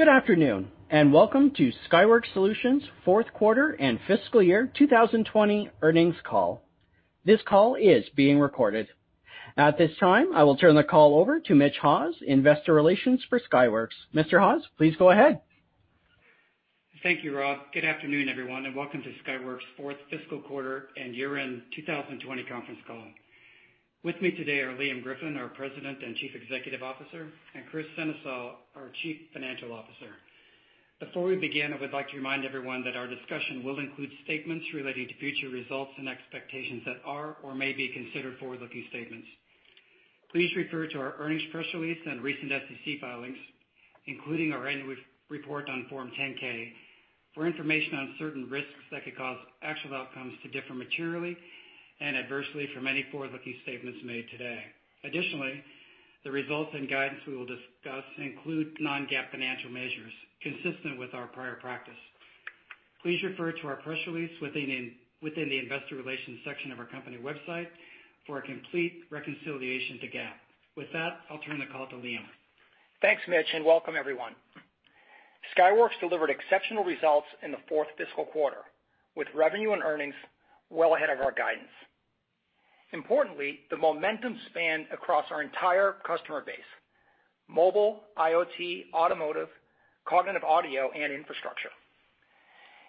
Good afternoon, and welcome to Skyworks Solutions fourth quarter and fiscal year 2020 earnings call. This call is being recorded. At this time, I will turn the call over to Mitch Haws, investor relations for Skyworks. Mr. Haws, please go ahead. Thank you, Rob. Good afternoon, everyone, and welcome to Skyworks' fourth fiscal quarter and year-end 2020 conference call. With me today are Liam Griffin, our President and Chief Executive Officer, and Kris Sennesael, our Chief Financial Officer. Before we begin, I would like to remind everyone that our discussion will include statements relating to future results and expectations that are or may be considered forward-looking statements. Please refer to our earnings press release and recent SEC filings, including our annual report on Form 10-K, for information on certain risks that could cause actual outcomes to differ materially and adversely from any forward-looking statements made today. Additionally, the results and guidance we will discuss include non-GAAP financial measures consistent with our prior practice. Please refer to our press release within the investor relations section of our company website for a complete reconciliation to GAAP. With that, I'll turn the call to Liam. Thanks, Mitch, and welcome everyone. Skyworks delivered exceptional results in the fourth fiscal quarter, with revenue and earnings well ahead of our guidance. Importantly, the momentum spanned across our entire customer base, mobile, IoT, automotive, cognitive audio, and infrastructure.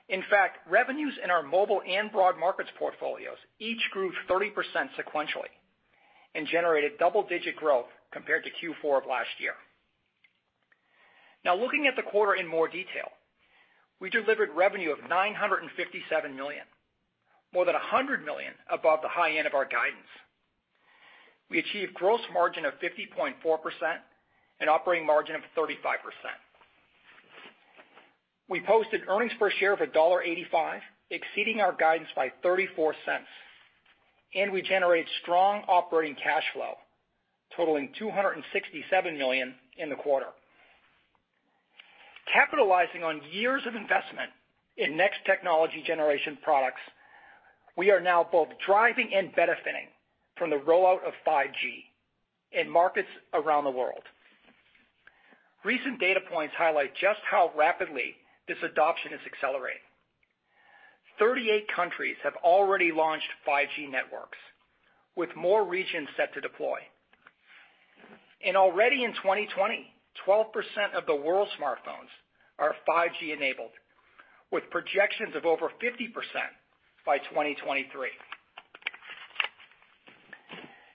In fact, revenues in our mobile and broad markets portfolios each grew 30% sequentially and generated double-digit growth compared to Q4 of last year. Now, looking at the quarter in more detail, we delivered revenue of $957 million, more than $100 million above the high end of our guidance. We achieved gross margin of 50.4% and operating margin of 35%. We posted earnings per share of $1.85, exceeding our guidance by $0.34, and we generated strong operating cash flow totaling $267 million in the quarter. Capitalizing on years of investment in next technology generation products, we are now both driving and benefiting from the rollout of 5G in markets around the world. Recent data points highlight just how rapidly this adoption is accelerating. 38 countries have already launched 5G networks, with more regions set to deploy. Already in 2020, 12% of the world's smartphones are 5G enabled, with projections of over 50% by 2023.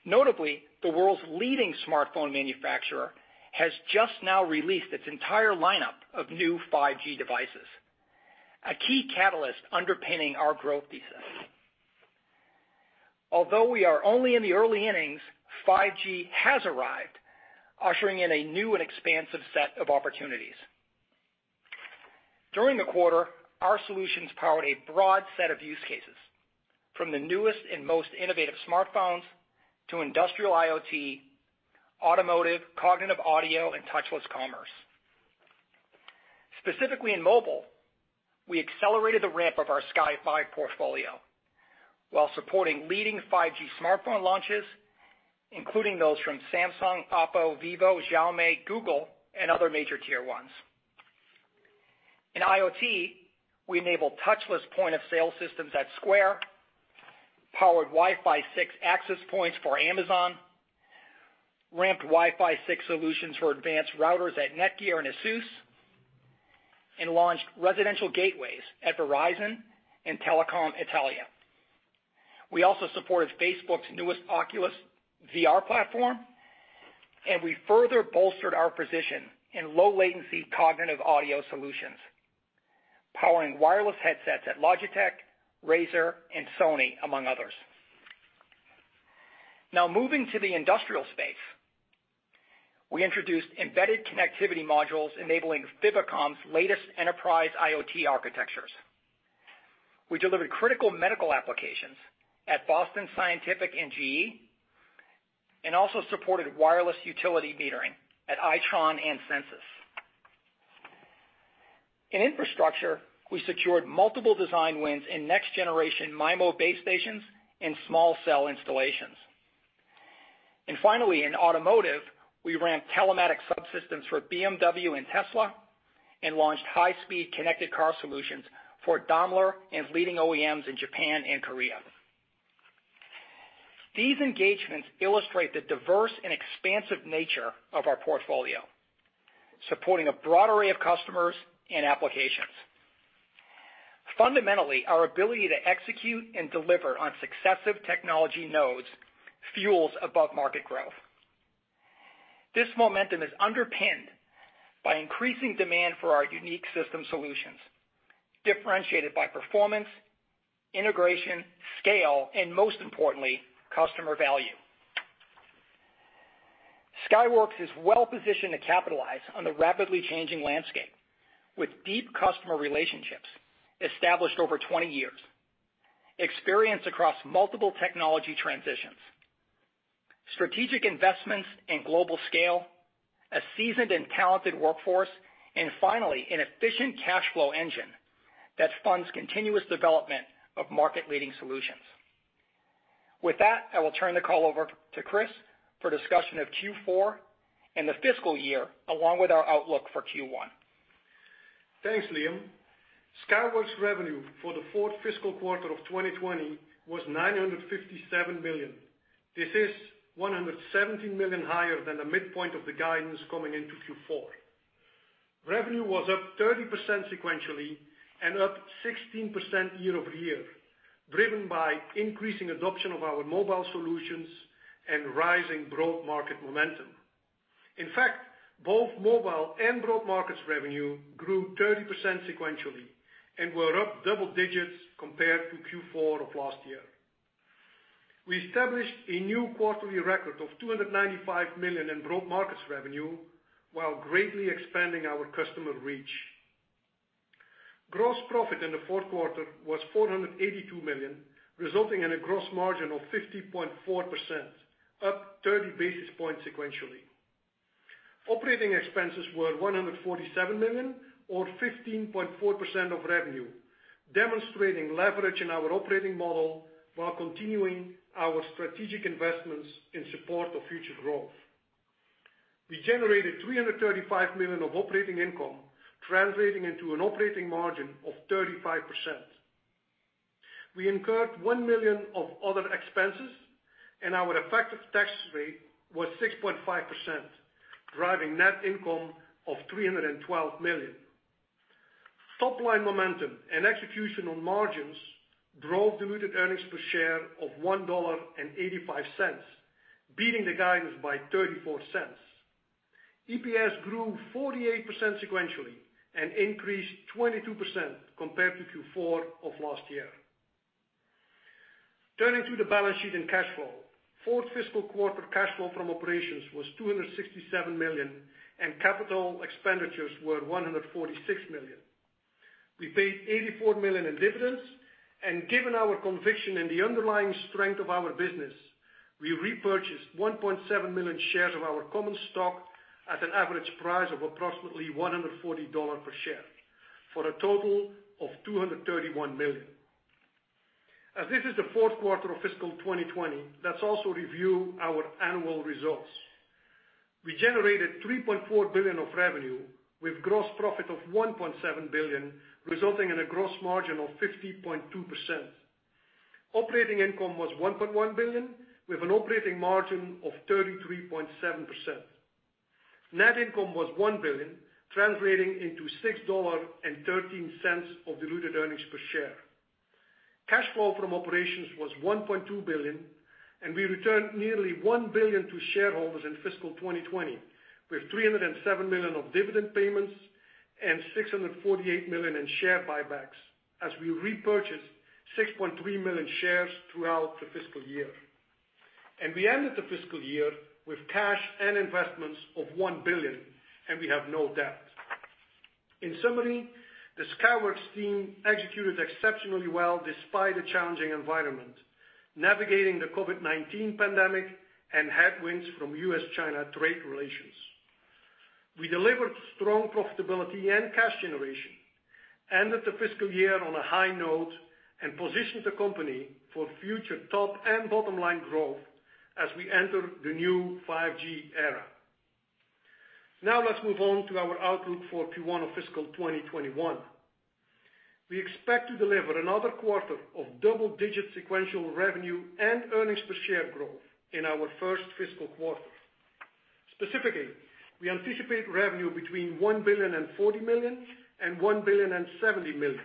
Notably, the world's leading smartphone manufacturer has just now released its entire lineup of new 5G devices, a key catalyst underpinning our growth thesis. Although we are only in the early innings, 5G has arrived, ushering in a new and expansive set of opportunities. During the quarter, our solutions powered a broad set of use cases, from the newest and most innovative smartphones to industrial IoT, automotive, cognitive audio and touchless commerce. Specifically in mobile, we accelerated the ramp of our Sky5 portfolio while supporting leading 5G smartphone launches, including those from Samsung, OPPO, vivo, Xiaomi, Google and other major tier ones. In IoT, we enabled touchless point-of-sale systems at Square, powered Wi-Fi 6 access points for Amazon, ramped Wi-Fi 6 solutions for advanced routers at NETGEAR and ASUS, and launched residential gateways at Verizon and Telecom Italia. We also supported Facebook's newest Oculus VR platform, and we further bolstered our position in low-latency cognitive audio solutions, powering wireless headsets at Logitech, Razer and Sony, among others. Now, moving to the industrial space, we introduced embedded connectivity modules enabling Fibocom's latest enterprise IoT architectures. We delivered critical medical applications at Boston Scientific and GE and also supported wireless utility metering at Itron and Sensus. In infrastructure, we secured multiple design wins in next-generation MIMO base stations and small cell installations. Finally, in automotive, we ran telematic subsystems for BMW and Tesla and launched high-speed connected car solutions for Daimler and leading OEMs in Japan and Korea. These engagements illustrate the diverse and expansive nature of our portfolio, supporting a broad array of customers and applications. Fundamentally, our ability to execute and deliver on successive technology nodes fuels above-market growth. This momentum is underpinned by increasing demand for our unique system solutions, differentiated by performance, integration, scale, and most importantly, customer value. Skyworks is well-positioned to capitalize on the rapidly changing landscape with deep customer relationships established over 20 years, experience across multiple technology transitions, strategic investments in global scale, a seasoned and talented workforce, and finally, an efficient cash flow engine that funds continuous development of market-leading solutions. I will turn the call over to Kris for discussion of Q4 and the fiscal year, along with our outlook for Q1. Thanks, Liam. Skyworks revenue for the fourth fiscal quarter of 2020 was $957 million. This is $117 million higher than the midpoint of the guidance coming into Q4. Revenue was up 30% sequentially and up 16% year-over-year, driven by increasing adoption of our mobile solutions and rising broad market momentum. Both mobile and broad markets revenue grew 30% sequentially and were up double digits compared to Q4 of last year. We established a new quarterly record of $295 million in broad markets revenue while greatly expanding our customer reach. Gross profit in the fourth quarter was $482 million, resulting in a gross margin of 50.4%, up 30 basis points sequentially. Operating expenses were $147 million, or 15.4% of revenue, demonstrating leverage in our operating model while continuing our strategic investments in support of future growth. We generated $335 million of operating income, translating into an operating margin of 35%. We incurred $1 million of other expenses, and our effective tax rate was 6.5%, driving net income of $312 million. Top-line momentum and execution on margins drove diluted earnings per share of $1.85, beating the guidance by $0.34. EPS grew 48% sequentially and increased 22% compared to Q4 of last year. Turning to the balance sheet and cash flow. Fourth fiscal quarter cash flow from operations was $267 million, and capital expenditures were $146 million. We paid $84 million in dividends, and given our conviction in the underlying strength of our business, we repurchased 1.7 million shares of our common stock at an average price of approximately $140 per share for a total of $231 million. As this is the fourth quarter of fiscal 2020, let's also review our annual results. We generated $3.4 billion of revenue with gross profit of $1.7 billion, resulting in a gross margin of 50.2%. Operating income was $1.1 billion, with an operating margin of 33.7%. Net income was $1 billion, translating into $6.13 of diluted earnings per share. Cash flow from operations was $1.2 billion. We returned nearly $1 billion to shareholders in fiscal 2020, with $307 million of dividend payments and $648 million in share buybacks as we repurchased 6.3 million shares throughout the fiscal year. We ended the fiscal year with cash and investments of $1 billion. We have no debt. In summary, the Skyworks team executed exceptionally well despite a challenging environment, navigating the COVID-19 pandemic and headwinds from U.S.-China trade relations. We delivered strong profitability and cash generation, ended the fiscal year on a high note, and positioned the company for future top and bottom-line growth as we enter the new 5G era. Now, let's move on to our outlook for Q1 of fiscal 2021. We expect to deliver another quarter of double-digit sequential revenue and earnings per share growth in our first fiscal quarter. Specifically, we anticipate revenue between $1.04 billion and $1.07 billion.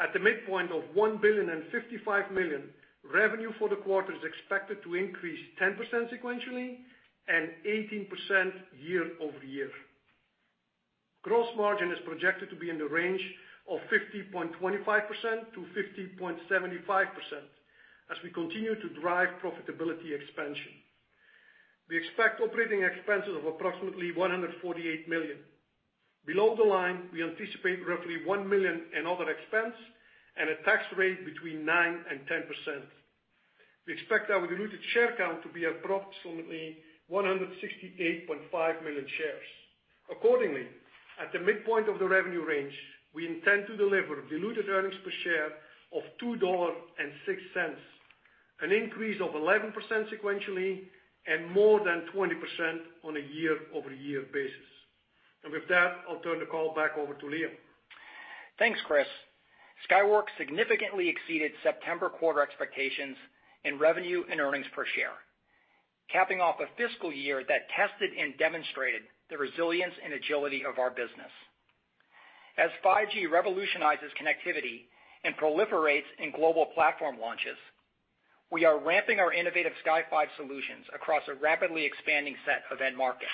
At the midpoint of $1.055 billion, revenue for the quarter is expected to increase 10% sequentially and 18% year-over-year. Gross margin is projected to be in the range of 50.25%-50.75% as we continue to drive profitability expansion. We expect operating expenses of approximately $148 million. Below the line, we anticipate roughly $1 million in other expense and a tax rate between 9% and 10%. We expect our diluted share count to be approximately 168.5 million shares. Accordingly, at the midpoint of the revenue range, we intend to deliver diluted earnings per share of $2.06, an increase of 11% sequentially and more than 20% on a year-over-year basis. With that, I'll turn the call back over to Liam. Thanks, Kris. Skyworks significantly exceeded September quarter expectations in revenue and earnings per share, capping off a fiscal year that tested and demonstrated the resilience and agility of our business. As 5G revolutionizes connectivity and proliferates in global platform launches, we are ramping our innovative Sky5 solutions across a rapidly expanding set of end markets.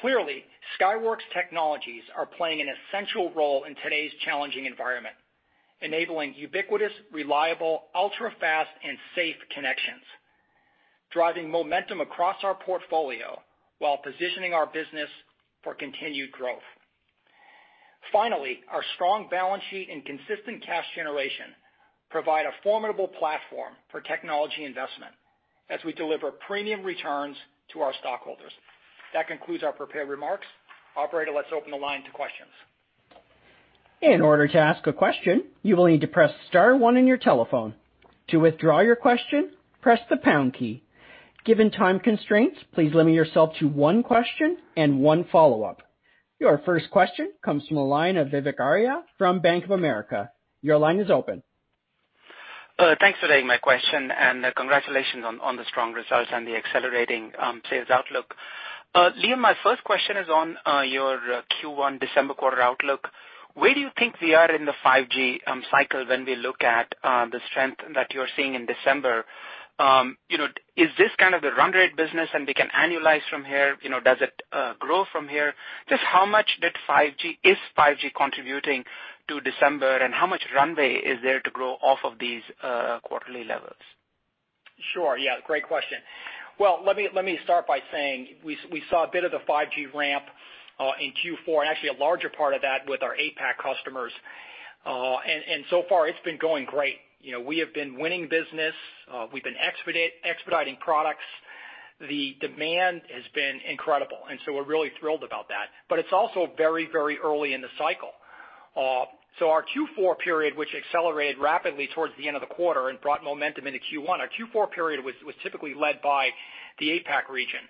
Clearly, Skyworks technologies are playing an essential role in today's challenging environment, enabling ubiquitous, reliable, ultra-fast, and safe connections, driving momentum across our portfolio while positioning our business for continued growth. Finally, our strong balance sheet and consistent cash generation provide a formidable platform for technology investment as we deliver premium returns to our stockholders. That concludes our prepared remarks. Operator, let's open the line to questions. In order to ask a question, you will need to press star one on your telephone. To withdraw your question, press the pound key. Given time constraints, please limit yourself to one question and one follow-up. Your first question comes from the line of Vivek Arya from Bank of America. Your line is open. Thanks for taking my question, and congratulations on the strong results and the accelerating sales outlook. Liam, my first question is on your Q1 December quarter outlook. Where do you think we are in the 5G cycle when we look at the strength that you're seeing in December? Is this kind of the run rate business and we can annualize from here? Does it grow from here? Just how much is 5G contributing to December, and how much runway is there to grow off of these quarterly levels? Sure. Yeah, great question. Well, let me start by saying we saw a bit of the 5G ramp in Q4, and actually a larger part of that with our APAC customers. So far, it's been going great. We have been winning business. We've been expediting products. The demand has been incredible, and so we're really thrilled about that, but it's also very early in the cycle. Our Q4 period, which accelerated rapidly towards the end of the quarter and brought momentum into Q1, our Q4 period was typically led by the APAC region.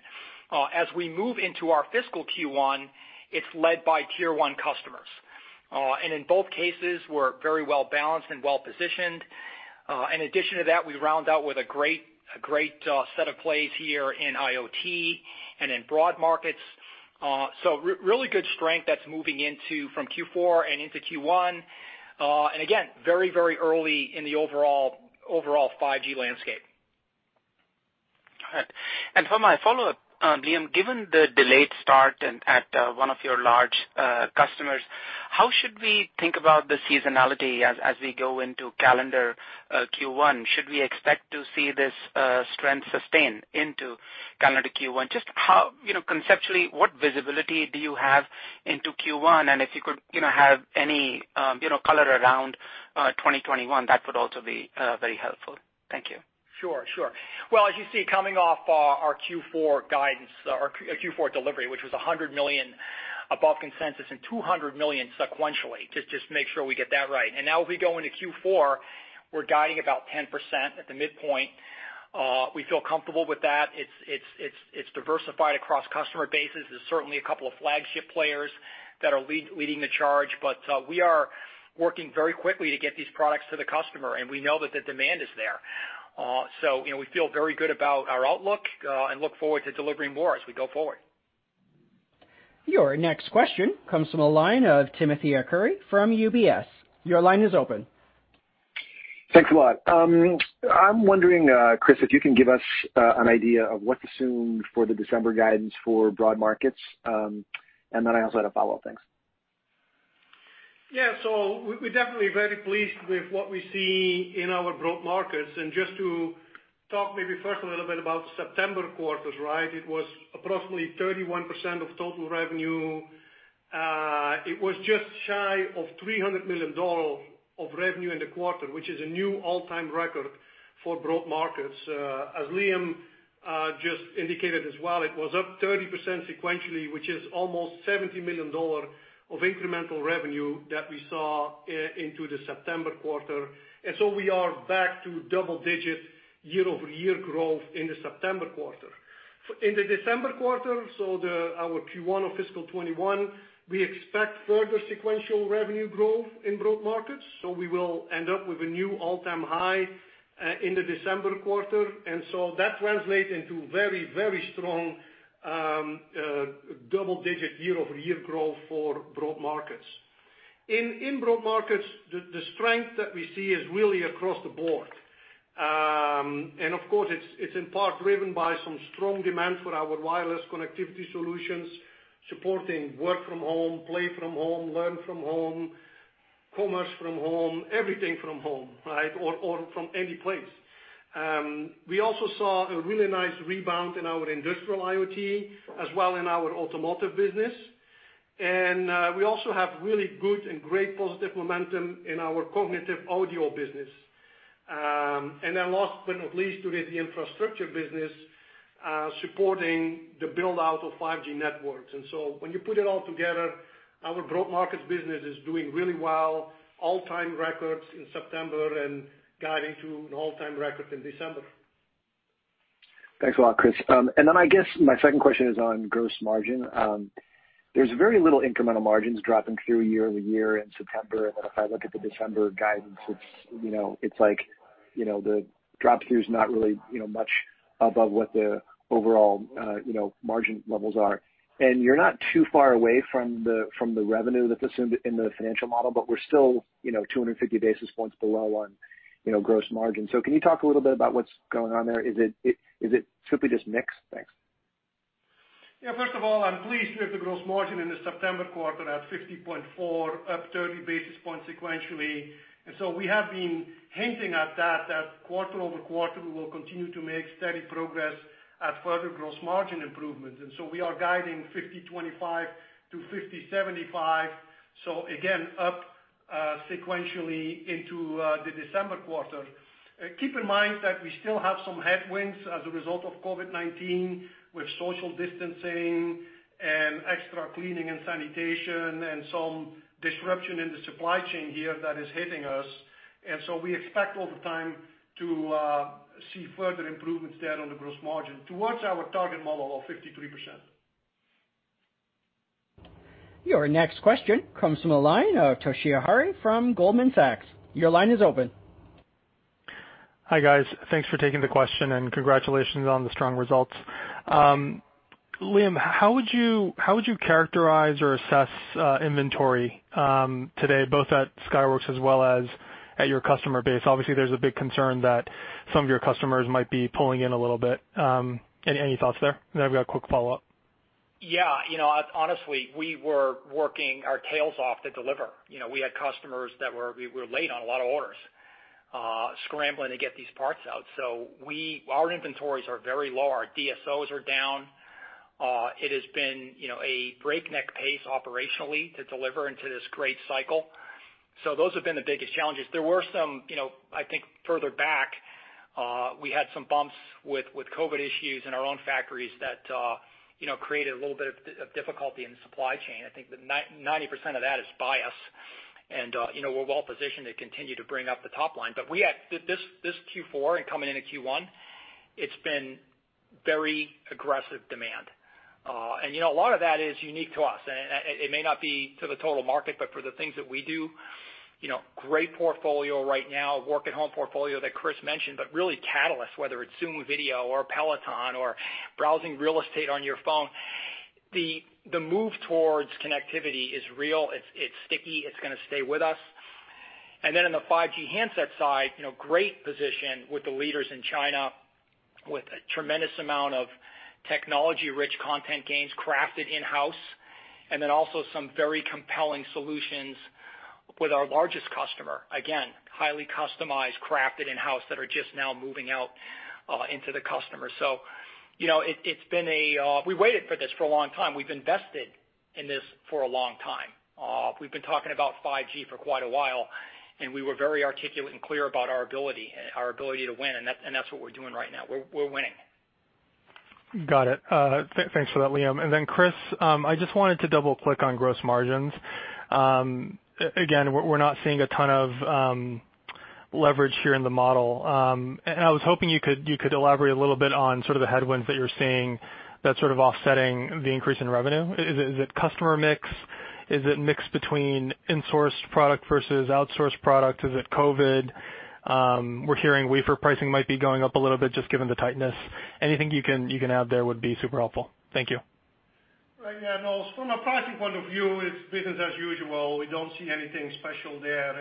As we move into our fiscal Q1, it's led by tier 1 customers. In both cases, we're very well-balanced and well-positioned. In addition to that, we round out with a great set of plays here in IoT and in broad markets. Really good strength that's moving into from Q4 and into Q1. Again, very early in the overall 5G landscape. All right. For my follow-up, Liam, given the delayed start at one of your large customers, how should we think about the seasonality as we go into calendar Q1? Should we expect to see this strength sustain into calendar Q1? Just conceptually, what visibility do you have into Q1? If you could have any color around 2021, that would also be very helpful. Thank you. Sure. Well, as you see, coming off our Q4 delivery, which was $100 million above consensus and $200 million sequentially, just to make sure we get that right. Now as we go into Q4, we're guiding about 10% at the midpoint. We feel comfortable with that. It's diversified across customer bases. There's certainly a couple of flagship players that are leading the charge, but we are working very quickly to get these products to the customer, and we know that the demand is there. We feel very good about our outlook and look forward to delivering more as we go forward. Your next question comes from the line of Timothy Arcuri from UBS. Your line is open. Thanks a lot. I'm wondering, Kris, if you can give us an idea of what to assume for the December guidance for broad markets. I also had a follow-up. Thanks. Yeah. We're definitely very pleased with what we see in our broad markets. Just to talk maybe first a little bit about the September quarters, it was approximately 31% of total revenue. It was just shy of $300 million of revenue in the quarter, which is a new all-time record for broad markets. As Liam just indicated as well, it was up 30% sequentially, which is almost $70 million of incremental revenue that we saw into the September quarter. We are back to double-digit year-over-year growth in the September quarter. In the December quarter, so our Q1 of fiscal 2021, we expect further sequential revenue growth in broad markets. We will end up with a new all-time high in the December quarter, that translate into very strong double-digit year-over-year growth for broad markets. In broad markets, the strength that we see is really across the board. Of course, it's in part driven by some strong demand for our wireless connectivity solutions, supporting work from home, play from home, learn from home, commerce from home, everything from home or from any place. We also saw a really nice rebound in our industrial IoT as well in our automotive business. We also have really good and great positive momentum in our cognitive audio business. Last but not least, with the infrastructure business supporting the build-out of 5G networks. When you put it all together, our broad markets business is doing really well. All-time records in September and guiding to an all-time record in December. Thanks a lot, Kris. I guess my second question is on gross margin. There's very little incremental margins dropping through year-over-year in September. If I look at the December guidance, it's like the drop-through's not really much above what the overall margin levels are. You're not too far away from the revenue that's assumed in the financial model, but we're still 250 basis points below on gross margin. Can you talk a little bit about what's going on there? Is it simply just mix? Thanks. Yeah. First of all, I'm pleased with the gross margin in the September quarter at 50.4%, up 30 basis points sequentially. We have been hinting at that quarter-over-quarter, we will continue to make steady progress at further gross margin improvement. We are guiding 50.25%-50.75%, again, up sequentially into the December quarter. Keep in mind that we still have some headwinds as a result of COVID-19, with social distancing and extra cleaning and sanitation, and some disruption in the supply chain here that is hitting us. We expect over time to see further improvements there on the gross margin towards our target model of 53%. Your next question comes from the line of Toshiya Hari from Goldman Sachs. Your line is open. Hi, guys. Thanks for taking the question, and congratulations on the strong results. Liam, how would you characterize or assess inventory today, both at Skyworks as well as at your customer base? Obviously, there's a big concern that some of your customers might be pulling in a little bit. Any thoughts there? I've got a quick follow-up. Yeah. Honestly, we were working our tails off to deliver. We had customers that we were late on a lot of orders, scrambling to get these parts out. Our inventories are very low. Our DSOs are down. It has been a breakneck pace operationally to deliver into this great cycle. Those have been the biggest challenges. There were some, I think, further back, we had some bumps with COVID issues in our own factories that created a little bit of difficulty in the supply chain. I think that 90% of that is by us, and we're well positioned to continue to bring up the top line. This Q4 and coming into Q1, it's been very aggressive demand. A lot of that is unique to us. It may not be to the total market, but for the things that we do, great portfolio right now, work at home portfolio that Kris mentioned, but really catalyst, whether it's Zoom video or Peloton or browsing real estate on your phone. The move towards connectivity is real, it's sticky, it's going to stay with us. On the 5G handset side, great position with the leaders in China, with a tremendous amount of technology-rich content gains crafted in-house, and then also some very compelling solutions with our largest customer. Again, highly customized, crafted in-house, that are just now moving out into the customer. We waited for this for a long time. We've invested in this for a long time. We've been talking about 5G for quite a while, and we were very articulate and clear about our ability to win, and that's what we're doing right now. We're winning. Got it. Thanks for that, Liam. Kris, I just wanted to double-click on gross margins. Again, we're not seeing a ton of leverage here in the model. I was hoping you could elaborate a little bit on sort of the headwinds that you're seeing that's sort of offsetting the increase in revenue. Is it customer mix? Is it mix between insourced product versus outsourced product? Is it COVID? We're hearing wafer pricing might be going up a little bit, just given the tightness. Anything you can add there would be super helpful. Thank you. Right. Yeah, no. From a pricing point of view, it's business as usual. We don't see anything special there.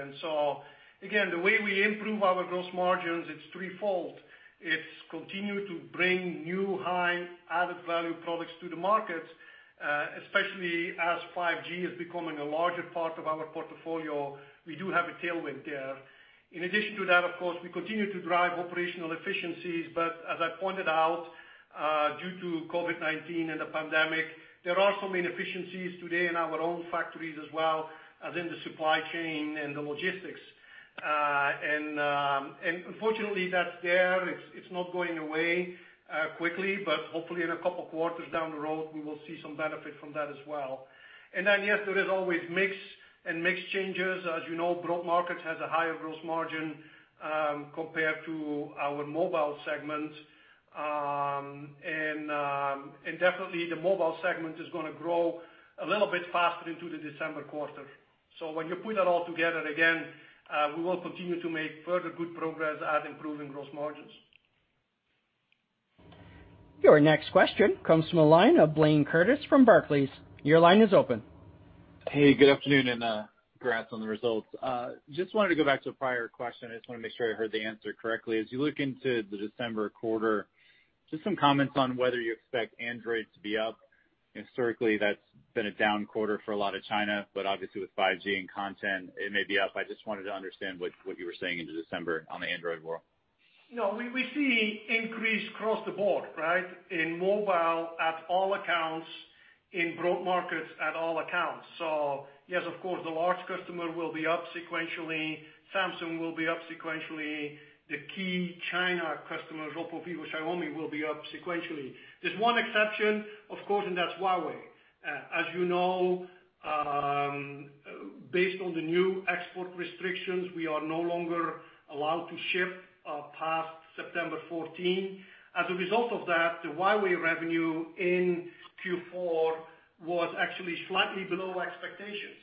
Again, the way we improve our gross margins, it's threefold. It's continue to bring new high added-value products to the market, especially as 5G is becoming a larger part of our portfolio. We do have a tailwind there. In addition to that, of course, we continue to drive operational efficiencies, but as I pointed out, due to COVID-19 and the pandemic, there are some inefficiencies today in our own factories as well as in the supply chain and the logistics. Unfortunately, that's there. It's not going away quickly, but hopefully in a couple of quarters down the road, we will see some benefit from that as well. Yes, there is always mix and mix changes. As you know, broad markets has a higher gross margin compared to our mobile segment. Definitely, the mobile segment is going to grow a little bit faster into the December quarter. When you put that all together, again, we will continue to make further good progress at improving gross margins. Your next question comes from the line of Blayne Curtis from Barclays. Your line is open. Hey, good afternoon. Congrats on the results. Just wanted to go back to a prior question. I just want to make sure I heard the answer correctly. As you look into the December quarter, just some comments on whether you expect Android to be up. Historically, that's been a down quarter for a lot of China, but obviously with 5G and content, it may be up. I just wanted to understand what you were saying into December on the Android world. No, we see increase across the board, right? In mobile at all accounts, in broad markets at all accounts. Yes, of course, the large customer will be up sequentially. Samsung will be up sequentially. The key China customers, OPPO, vivo, Xiaomi, will be up sequentially. There's one exception, of course, and that's Huawei. As you know, based on the new export restrictions, we are no longer allowed to ship past September 14. As a result of that, the Huawei revenue in Q4 was actually slightly below expectations,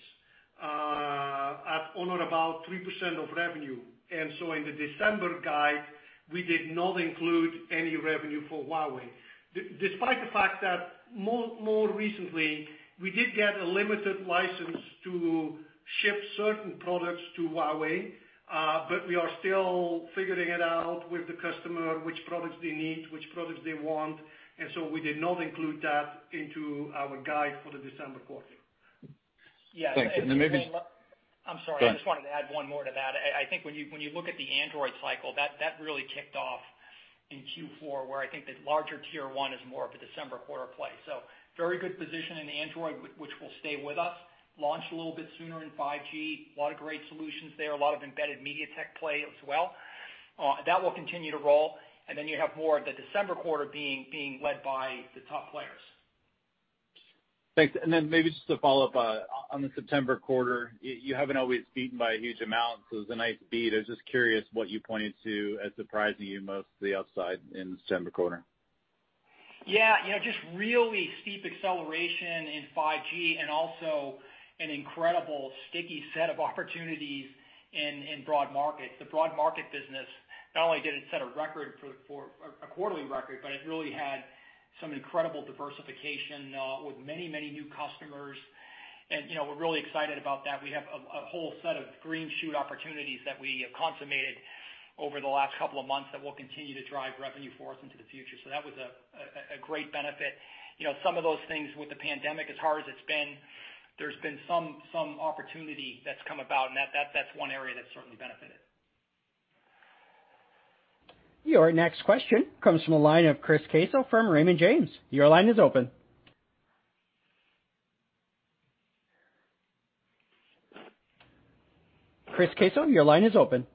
at only about 3% of revenue. In the December guide, we did not include any revenue for Huawei. Despite the fact that more recently, we did get a limited license to ship certain products to Huawei, but we are still figuring it out with the customer, which products they need, which products they want, and so we did not include that into our guide for the December quarter. Thank you. Yeah. Blayne, I'm sorry. Go ahead. I just wanted to add one more to that. I think when you look at the Android cycle, that really kicked off in Q4, where I think the larger tier 1 is more of a December quarter play. Very good position in Android, which will stay with us, launch a little bit sooner in 5G, a lot of great solutions there, a lot of embedded MediaTek play as well. That will continue to roll. You have more of the December quarter being led by the top players. Thanks. Maybe just to follow up on the September quarter, you haven't always beaten by a huge amount, so it was a nice beat. I was just curious what you pointed to as surprising you most to the upside in the September quarter. Yeah. Just really steep acceleration in 5G and also an incredible sticky set of opportunities in broad markets. The broad market business, not only did it set a quarterly record, but it really had some incredible diversification with many new customers. We're really excited about that. We have a whole set of green shoot opportunities that we have consummated over the last couple of months that will continue to drive revenue for us into the future. That was a great benefit. Some of those things with the pandemic, as hard as it's been, there's been some opportunity that's come about, and that's one area that's certainly benefited. Your next question comes from the line of Chris Caso from Raymond James. Your line is open. Chris Caso, your line is open.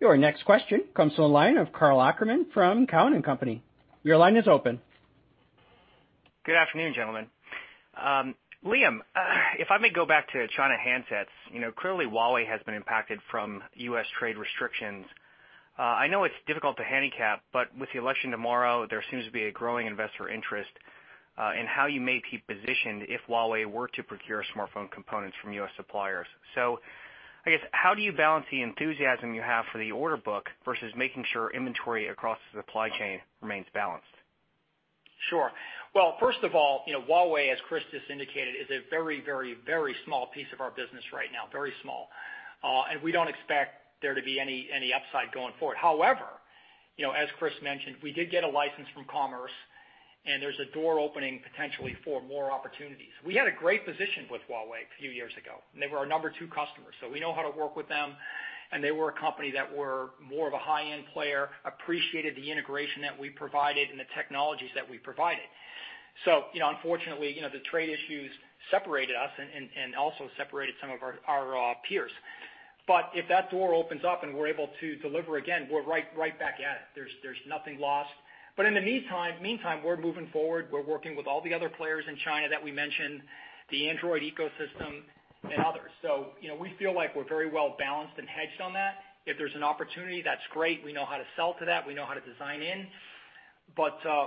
Your next question comes from the line of Karl Ackerman from Cowen and Company. Your line is open. Good afternoon, gentlemen. Liam, if I may go back to China handsets. Clearly Huawei has been impacted from U.S. trade restrictions. I know it's difficult to handicap, with the election tomorrow, there seems to be a growing investor interest in how you may keep positioned if Huawei were to procure smartphone components from U.S. suppliers. I guess, how do you balance the enthusiasm you have for the order book versus making sure inventory across the supply chain remains balanced? Sure. Well, first of all, Huawei, as Kris just indicated, is a very small piece of our business right now. Very small. We don't expect there to be any upside going forward. However, as Kris mentioned, we did get a license from Commerce, and there's a door opening potentially for more opportunities. We had a great position with Huawei a few years ago, and they were our number two customer, so we know how to work with them, and they were a company that were more of a high-end player, appreciated the integration that we provided and the technologies that we provided. Unfortunately, the trade issues separated us and also separated some of our peers. If that door opens up and we're able to deliver again, we're right back at it. There's nothing lost. In the meantime, we're moving forward. We're working with all the other players in China that we mentioned, the Android ecosystem, and others. We feel like we're very well-balanced and hedged on that. If there's an opportunity, that's great. We know how to sell to that. We know how to design in.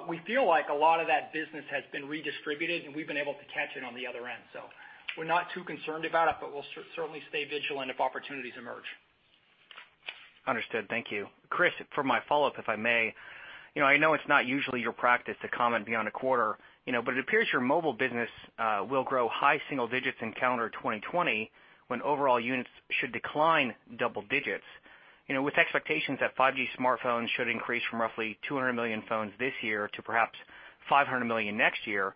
We feel like a lot of that business has been redistributed, and we've been able to catch it on the other end. We're not too concerned about it, but we'll certainly stay vigilant if opportunities emerge. Understood. Thank you. Kris, for my follow-up, if I may. I know it is not usually your practice to comment beyond a quarter, it appears your mobile business will grow high single digits in calendar 2020 when overall units should decline double digits. With expectations that 5G smartphones should increase from roughly 200 million phones this year to perhaps 500 million next year,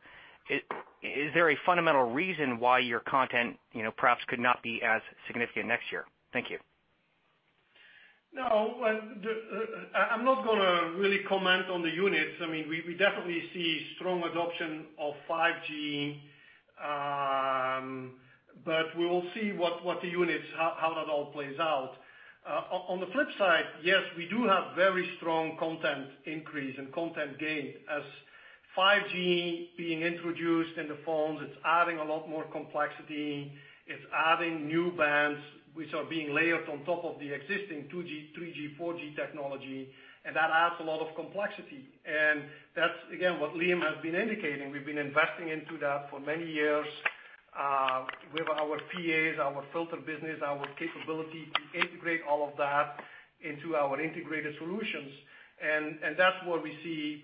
is there a fundamental reason why your content perhaps could not be as significant next year? Thank you. No, I'm not going to really comment on the units. We definitely see strong adoption of 5G. We will see what the units, how that all plays out. On the flip side, yes, we do have very strong content increase and content gain as 5G being introduced in the phones. It's adding a lot more complexity. It's adding new bands, which are being layered on top of the existing 2G, 3G, 4G technology. That adds a lot of complexity. That's, again, what Liam has been indicating. We've been investing into that for many years, with our PAs, our filter business, our capability to integrate all of that into our integrated solutions. That's where we see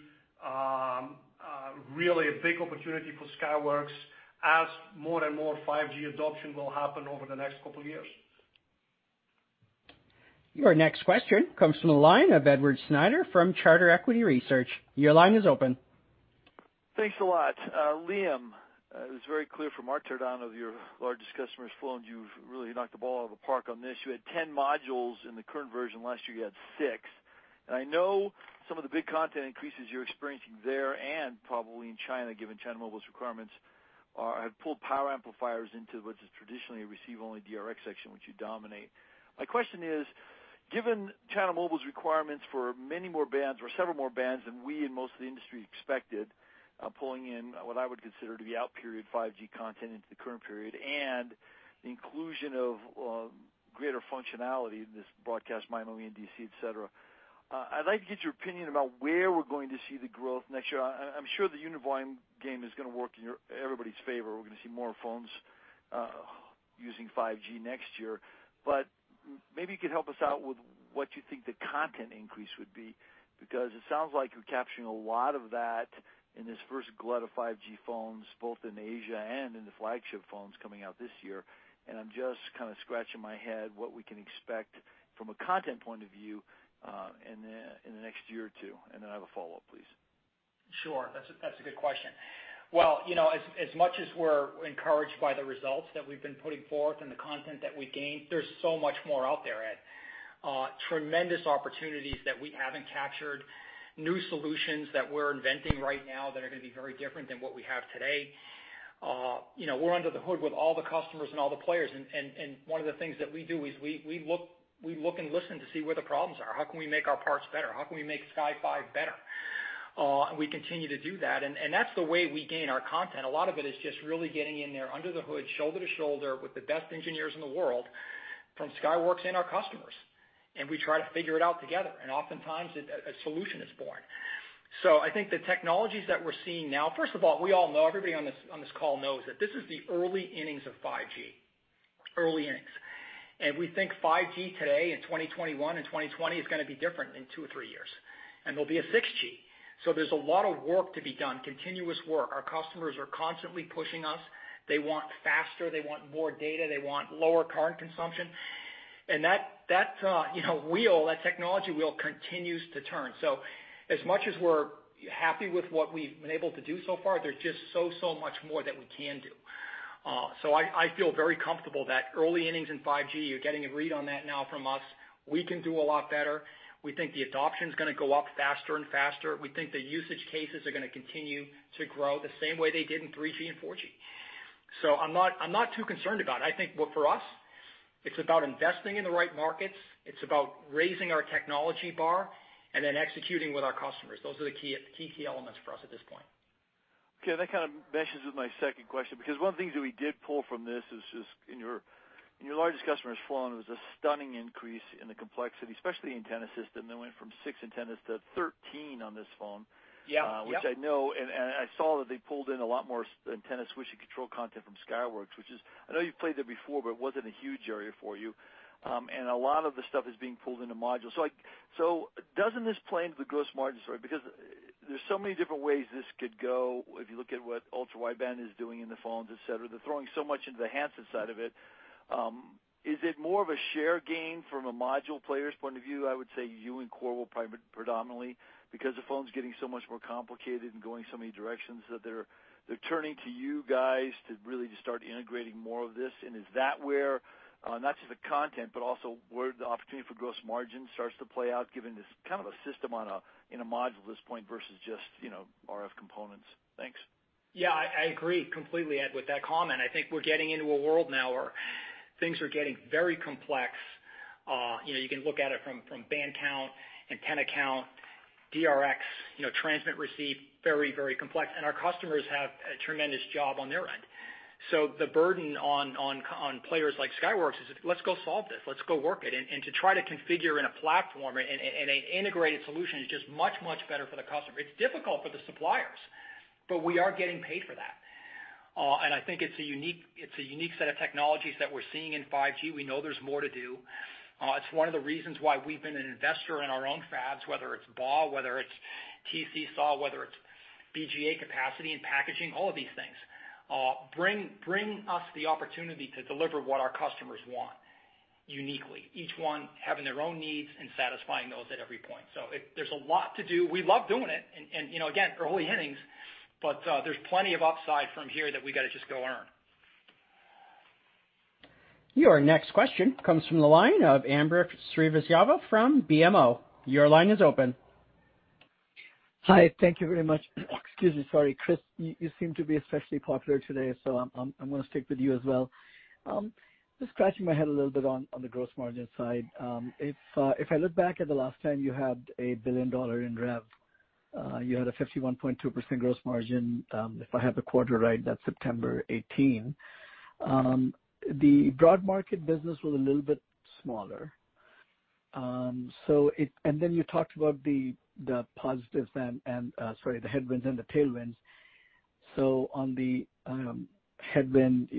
really a big opportunity for Skyworks as more and more 5G adoption will happen over the next couple of years. Your next question comes from the line of Edward Snyder from Charter Equity Research. Your line is open. Thanks a lot. Liam, it was very clear from our teardown of your largest customers' phones, you've really knocked the ball out of the park on this. You had 10 modules in the current version. Last year you had six. I know some of the big content increases you're experiencing there and probably in China, given China Mobile's requirements, have pulled power amplifiers into what is traditionally a receive-only DRx section, which you dominate. My question is, given China Mobile's requirements for many more bands or several more bands than we and most of the industry expected, pulling in what I would consider to be out-period 5G content into the current period and the inclusion of greater functionality, this broadcast MIMO in DC, et cetera, I'd like to get your opinion about where we're going to see the growth next year. I'm sure the unit volume game is going to work in everybody's favor. We're going to see more phones using 5G next year. Maybe you could help us out with what you think the content increase would be, because it sounds like you're capturing a lot of that in this first glut of 5G phones, both in Asia and in the flagship phones coming out this year, and I'm just kind of scratching my head what we can expect from a content point of view in the next year or two. I have a follow-up, please. Sure. That's a good question. Well, as much as we're encouraged by the results that we've been putting forth and the content that we gained, there's so much more out there, Ed. Tremendous opportunities that we haven't captured, new solutions that we're inventing right now that are going to be very different than what we have today. We're under the hood with all the customers and all the players, One of the things that we do is we look and listen to see where the problems are. How can we make our parts better? How can we make Sky5 better? We continue to do that, and that's the way we gain our content. A lot of it is just really getting in there under the hood, shoulder to shoulder with the best engineers in the world from Skyworks and our customers. We try to figure it out together, and oftentimes a solution is born. I think the technologies that we're seeing now, first of all, we all know, everybody on this call knows, that this is the early innings of 5G. Early innings. We think 5G today in 2021 and 2020 is going to be different in two or three years. There'll be a 6G. There's a lot of work to be done, continuous work. Our customers are constantly pushing us. They want faster, they want more data, they want lower current consumption. That technology wheel continues to turn. As much as we're happy with what we've been able to do so far, there's just so much more that we can do. I feel very comfortable that early innings in 5G, you're getting a read on that now from us. We can do a lot better. We think the adoption's going to go up faster and faster. We think the usage cases are going to continue to grow the same way they did in 3G and 4G. I'm not too concerned about it. I think for us, it's about investing in the right markets. It's about raising our technology bar and then executing with our customers. Those are the key elements for us at this point. Okay. That kind of meshes with my second question, because one of the things that we did pull from this is just in your largest customer's phone was a stunning increase in the complexity, especially the antenna system, that went from six antennas to 13 on this phone. Yeah. Which I know. I saw that they pulled in a lot more antenna switch and control content from Skyworks, which I know you've played there before, but it wasn't a huge area for you. A lot of the stuff is being pulled into modules. Doesn't this play into the gross margin story? Because there's so many different ways this could go, if you look at what ultra-wideband is doing in the phones, et cetera, they're throwing so much into the handset side of it. Is it more of a share gain from a module player's point of view? I would say you and Qorvo predominantly, because the phone's getting so much more complicated and going so many directions, that they're turning to you guys to really just start integrating more of this. Is that where, not just the content, but also where the opportunity for gross margin starts to play out given this kind of a system in a module at this point versus just RF components? Thanks. Yeah, I agree completely, Ed, with that comment. I think we're getting into a world now where things are getting very complex. You can look at it from band count, antenna count, DRx, transmit receive, very complex. Our customers have a tremendous job on their end. The burden on players like Skyworks is, "Let's go solve this. Let's go work it." To try to configure in a platform an integrated solution is just much better for the customer. It's difficult for the suppliers, but we are getting paid for that. I think it's a unique set of technologies that we're seeing in 5G. We know there's more to do. It's one of the reasons why we've been an investor in our own fabs, whether it's BAW, whether it's TC SAW, whether it's BGA capacity and packaging, all of these things bring us the opportunity to deliver what our customers want uniquely, each one having their own needs and satisfying those at every point. There's a lot to do. We love doing it and, again, early innings, but there's plenty of upside from here that we've got to just go earn. Your next question comes from the line of Ambrish Srivastava from BMO. Your line is open. Hi. Thank you very much. Excuse me. Sorry, Kris, you seem to be especially popular today, so I'm going to stick with you as well. Just scratching my head a little bit on the gross margin side. If I look back at the last time you had a billion dollar in rev, you had a 51.2% gross margin. If I have the quarter right, that's September 2018. The broad market business was a little bit smaller. Then you talked about the headwinds and the tailwinds. On the headwind,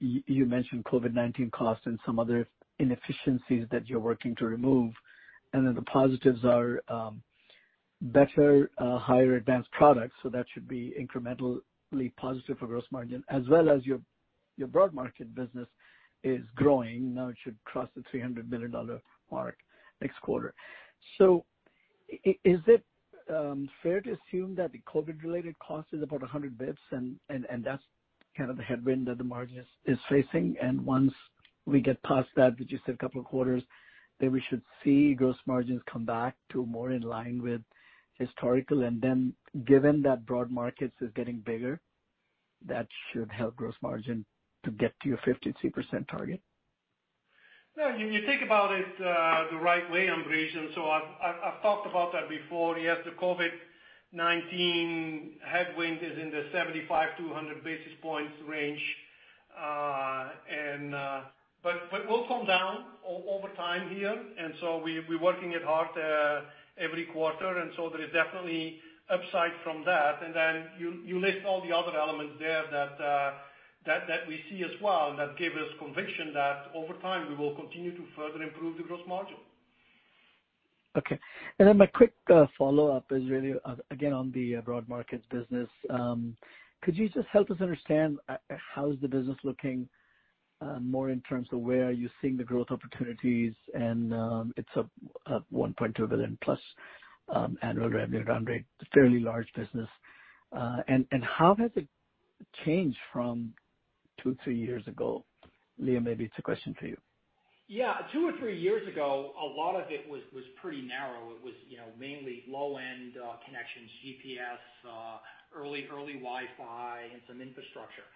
you mentioned COVID-19 costs and some other inefficiencies that you're working to remove, and then the positives are better, higher advanced products, so that should be incrementally positive for gross margin, as well as your broad market business is growing. Now it should cross the $300 million mark next quarter. Is it fair to assume that the COVID-related cost is about 100 basis points and that's kind of the headwind that the margin is facing, and once we get past that, which you said a couple of quarters, that we should see gross margins come back to more in line with historical, and then given that broad markets is getting bigger, that should help gross margin to get to your 53% target? Well, you think about it the right way, Ambrish. I've talked about that before. Yes, the COVID-19 headwind is in the 75-100 basis points range. Will come down over time here, and so we're working it hard every quarter, and so there is definitely upside from that. You list all the other elements there that we see as well, that give us conviction that over time, we will continue to further improve the gross margin. Okay. Then my quick follow-up is really again, on the broad markets business. Could you just help us understand how's the business looking? More in terms of where are you seeing the growth opportunities, it's a $1.2 billion-plus annual revenue run rate, fairly large business. How has it changed from two, three years ago? Liam, maybe it's a question for you. Yeah. Two or three years ago, a lot of it was pretty narrow. It was mainly low-end connections, GPS, early Wi-Fi, and some infrastructure.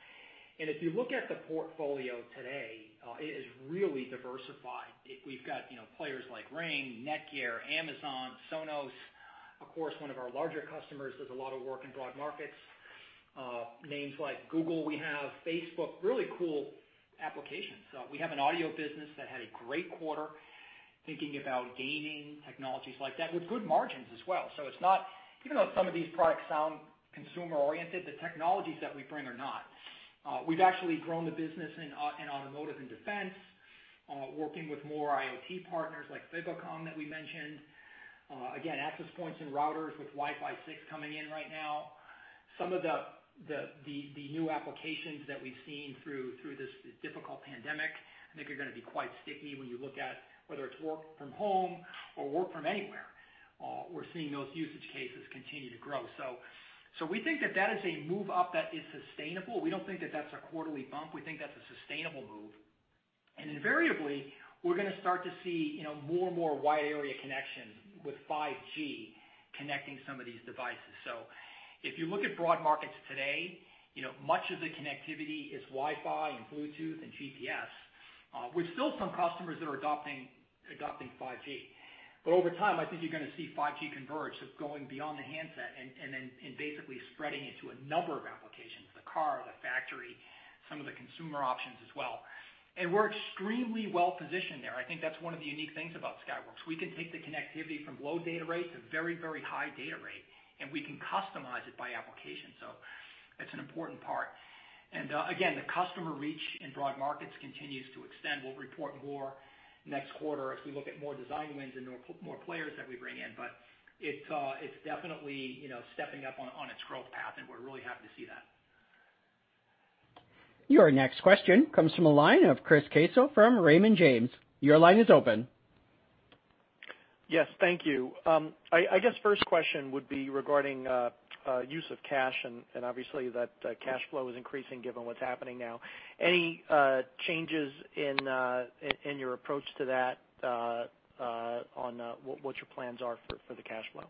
If you look at the portfolio today, it is really diversified. We've got players like Ring, NETGEAR, Amazon, Sonos. Of course, one of our larger customers does a lot of work in broad markets. Names like Google, we have Facebook, really cool applications. We have an audio business that had a great quarter, thinking about gaming, technologies like that, with good margins as well. Even though some of these products sound consumer-oriented, the technologies that we bring are not. We've actually grown the business in automotive and defense, working with more IoT partners like Fibocom that we mentioned. Again, access points and routers with Wi-Fi 6 coming in right now. Some of the new applications that we've seen through this difficult pandemic, I think are going to be quite sticky when you look at whether it's work from home or work from anywhere. We're seeing those usage cases continue to grow. We think that that is a move up that is sustainable. We don't think that that's a quarterly bump. We think that's a sustainable move. Invariably, we're going to start to see more and more wide area connections with 5G connecting some of these devices. If you look at broad markets today, much of the connectivity is Wi-Fi and Bluetooth and GPS, with still some customers that are adopting 5G. Over time, I think you're going to see 5G converge, so going beyond the handset and then basically spreading it to a number of applications, the car, the factory, some of the consumer options as well. We're extremely well-positioned there. I think that's one of the unique things about Skyworks. We can take the connectivity from low data rates to very high data rate, and we can customize it by application. That's an important part. Again, the customer reach in broad markets continues to extend. We'll report more next quarter as we look at more design wins and more players that we bring in. It's definitely stepping up on its growth path, and we're really happy to see that. Your next question comes from the line of Chris Caso from Raymond James. Your line is open. Yes, thank you. I guess first question would be regarding use of cash and obviously that cash flow is increasing given what's happening now. Any changes in your approach to that on what your plans are for the cash flow?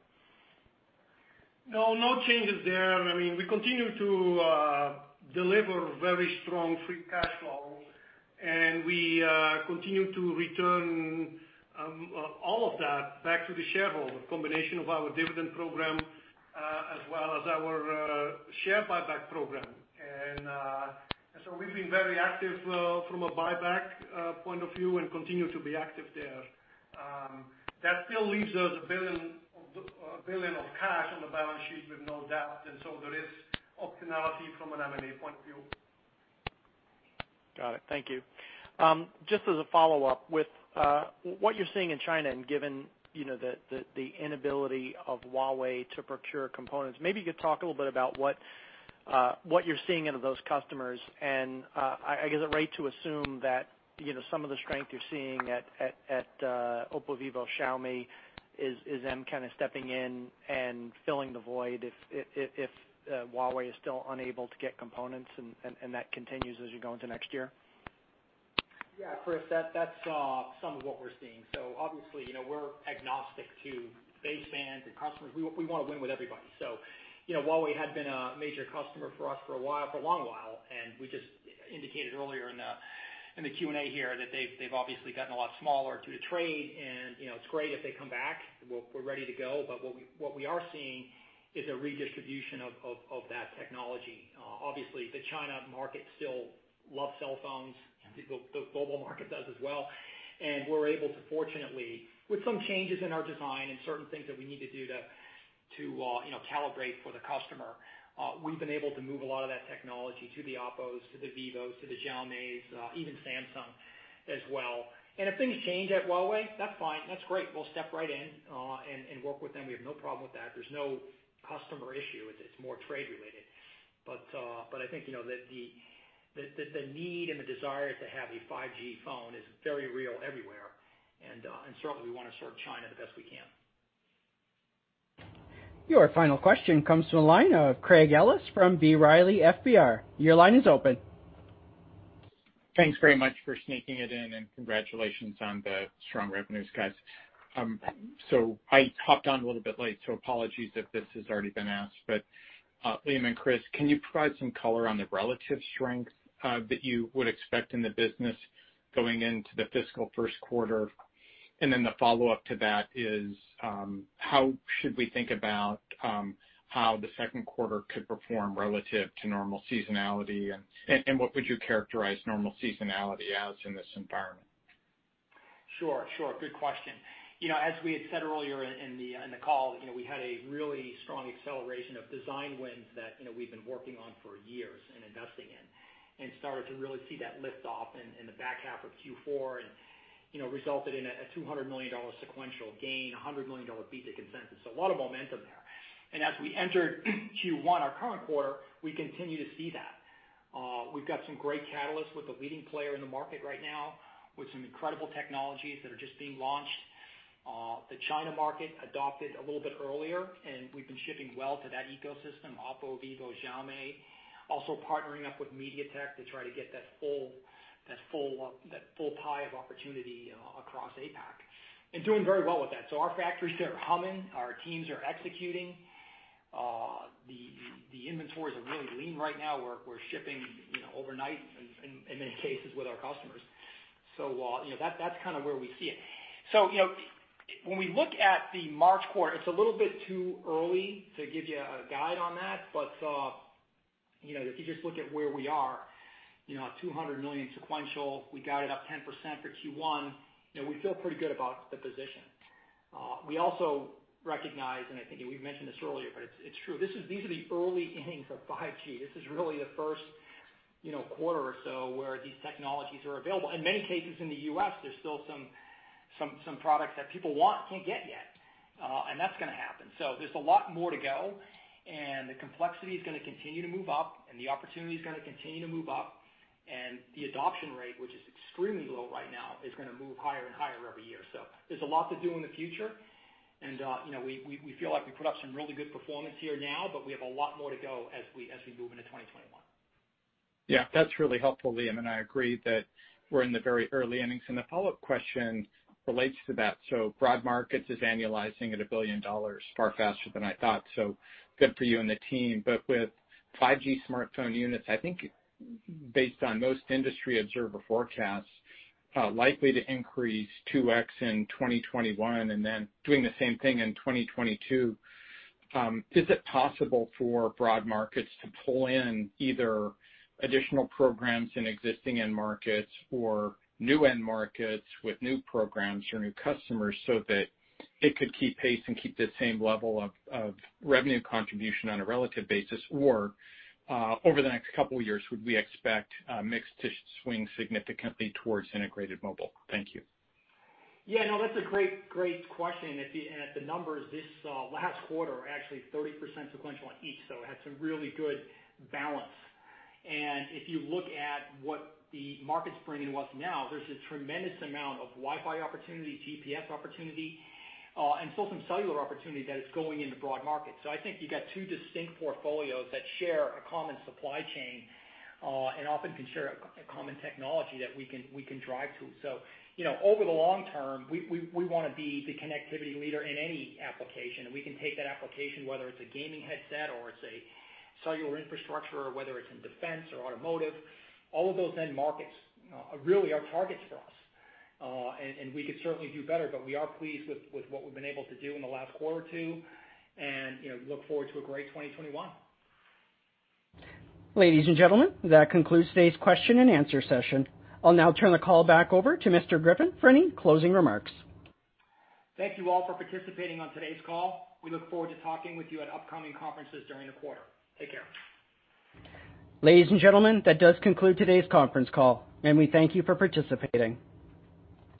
No changes there. We continue to deliver very strong free cash flow, and we continue to return all of that back to the shareholder, combination of our dividend program as well as our share buyback program. We've been very active from a buyback point of view and continue to be active there. That still leaves us $1 billion of cash on the balance sheet with no debt. There is optionality from an M&A point of view. Got it. Thank you. Just as a follow-up, with what you're seeing in China and given the inability of Huawei to procure components, maybe you could talk a little bit about what you're seeing out of those customers, and I guess is it right to assume that some of the strength you're seeing at OPPO, vivo, Xiaomi is them kind of stepping in and filling the void if Huawei is still unable to get components and that continues as you go into next year? Yeah, Chris, that's some of what we're seeing. Obviously, we're agnostic to baseband and customers. We want to win with everybody. Huawei had been a major customer for us for a while, for a long while, and we just indicated earlier in the Q&A here that they've obviously gotten a lot smaller to the trade, and it's great if they come back. We're ready to go. What we are seeing is a redistribution of that technology. Obviously, the China market still loves cell phones, and the global market does as well, and we're able to, fortunately, with some changes in our design and certain things that we need to do to calibrate for the customer, we've been able to move a lot of that technology to the OPPOs, to the vivos, to the Xiaomis, even Samsung as well. If things change at Huawei, that's fine. That's great. We'll step right in and work with them. We have no problem with that. There's no customer issue. It's more trade-related. I think that the need and the desire to have a 5G phone is very real everywhere. Certainly, we want to serve China the best we can. Your final question comes from the line of Craig Ellis from B. Riley FBR. Your line is open. Thanks very much for sneaking it in, and congratulations on the strong revenues, guys. I hopped on a little bit late, so apologies if this has already been asked, but Liam and Kris, can you provide some color on the relative strength that you would expect in the business going into the fiscal first quarter? The follow-up to that is, how should we think about how the second quarter could perform relative to normal seasonality, and what would you characterize normal seasonality as in this environment? Sure. Good question. As we had said earlier in the call, we had a really strong acceleration of design wins that we've been working on for years and investing in and started to really see that lift off in the back half of Q4 and resulted in a $200 million sequential gain, $100 million beat the consensus, so a lot of momentum there. As we entered Q1, our current quarter, we continue to see that. We've got some great catalysts. We're the leading player in the market right now with some incredible technologies that are just being launched. The China market adopted a little bit earlier, and we've been shipping well to that ecosystem, OPPO, vivo, Xiaomi. Also partnering up with MediaTek to try to get that full pie of opportunity across APAC, and doing very well with that. Our factories are humming. Our teams are executing. The inventories are really lean right now. We're shipping overnight, in many cases, with our customers. That's kind of where we see it. When we look at the March quarter, it's a little bit too early to give you a guide on that. If you just look at where we are, $200 million sequential, we guide it up 10% for Q1. We feel pretty good about the position. We also recognize, and I think we've mentioned this earlier, but it's true, these are the early innings of 5G. This is really the first quarter or so where these technologies are available. In many cases in the U.S., there's still some products that people want, can't get yet. That's going to happen. There's a lot more to go, and the complexity is going to continue to move up, and the opportunity is going to continue to move up, and the adoption rate, which is extremely low right now, is going to move higher and higher every year. There's a lot to do in the future, and we feel like we put up some really good performance here now, but we have a lot more to go as we move into 2021. Yeah, that's really helpful, Liam. I agree that we're in the very early innings. The follow-up question relates to that. Broad Markets is annualizing at $1 billion far faster than I thought. Good for you and the team. With 5G smartphone units, I think based on most industry observer forecasts, likely to increase 2x in 2021 and then doing the same thing in 2022. Is it possible for Broad Markets to pull in either additional programs in existing end markets or new end markets with new programs or new customers so that it could keep pace and keep the same level of revenue contribution on a relative basis? Over the next couple of years, would we expect mix to swing significantly towards Integrated Mobile? Thank you. Yeah, no, that's a great question. The numbers this last quarter are actually 30% sequential on each, so it had some really good balance. If you look at what the markets bring in to us now, there's a tremendous amount of Wi-Fi opportunity, GPS opportunity, and still some cellular opportunity that is going into broad market. I think you've got two distinct portfolios that share a common supply chain, and often can share a common technology that we can drive to. Over the long term, we want to be the connectivity leader in any application, and we can take that application, whether it's a gaming headset or it's a cellular infrastructure or whether it's in defense or automotive. All of those end markets really are targets for us. We could certainly do better, but we are pleased with what we've been able to do in the last quarter or two and look forward to a great 2021. Ladies and gentlemen, that concludes today's question and answer session. I'll now turn the call back over to Mr. Griffin for any closing remarks. Thank you all for participating on today's call. We look forward to talking with you at upcoming conferences during the quarter. Take care. Ladies and gentlemen, that does conclude today's conference call. We thank you for participating.